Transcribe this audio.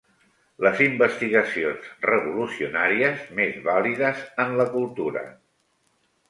Les investigacions revolucionàries més vàlides en la cultura.